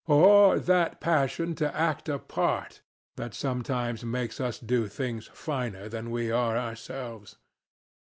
Or that passion to act a part that sometimes makes us do things finer than we are ourselves?